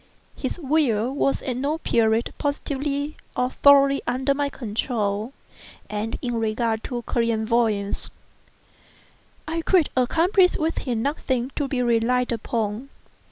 His will was at no period positively, or thoroughly, under my control, and in regard to clairvoyance, I could accomplish with him nothing to be relied upon.